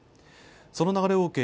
その流れを受け